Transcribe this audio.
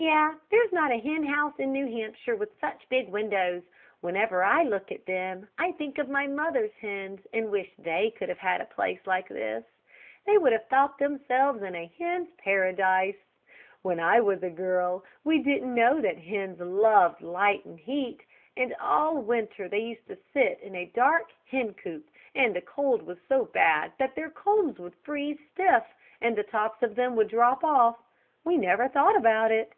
"Yes, there's not a hen house in New Hampshire with such big windows. Whenever I look at them, I think of my mother's hens, and wish that they could have had a place like this. They would have thought themselves in a hen's paradise. When I was a girl we didn't know that hens loved light and heat, and all winter they used to sit in a dark hencoop, and the cold was so bad that their combs would freeze stiff, and the tops of them would drop off. We never thought about it.